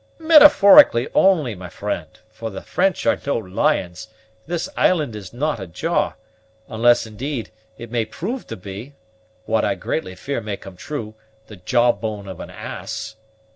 "Metaphorically only, my friend, for the French are no lions, and this island is not a jaw unless, indeed, it may prove to be, what I greatly fear may come true, the jaw bone of an ass."